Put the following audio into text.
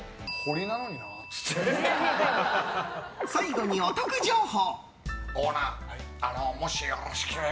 最後にお得情報。